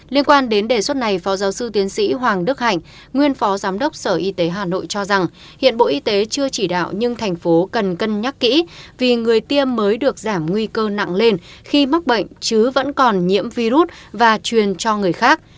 liên quan đến đề xuất này phó giáo sư tiến sĩ hoàng đức hạnh nguyên phó giám đốc sở y tế hà nội cho rằng hiện bộ y tế chưa chỉ đạo nhưng thành phố cần cân nhắc kỹ vì người tiêm mới được giảm nguy cơ nặng lên khi mắc bệnh chứ vẫn còn nhiễm virus và truyền cho người khác